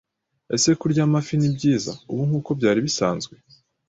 Ese kurya amafi ni byiza ubu nkuko byari bisanzwe?